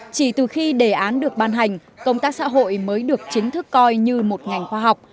chỉ từ khi đề án được ban hành công tác xã hội mới được chính thức coi như một ngành khoa học